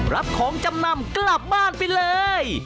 รับของจำนำกลับบ้านไปเลย